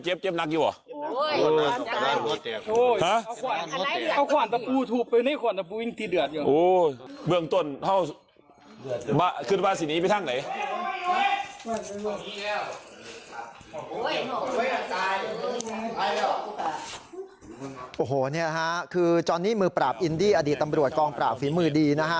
โอ้โหนี่ค่ะคือตอนนี้มือปราบอินดี้อดีตตำรวจกองปราบฝีมือดีนะฮะ